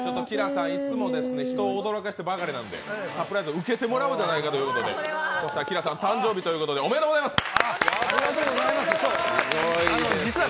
ＫｉＬａさんいつも人を驚かせてばかりなんでサプライズを受けてもらおうじゃないかということでそしてＫｉＬａさん誕生日ということでおめでとうございます！